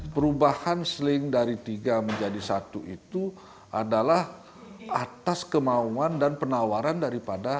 perubahan seling dari tiga menjadi satu itu adalah atas kemauan dan penawaran daripada